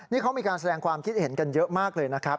นี่เขามีการแสดงความคิดเห็นกันเยอะมากเลยนะครับ